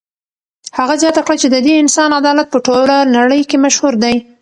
هغه زیاته کړه چې د دې انسان عدالت په ټوله نړۍ کې مشهور دی.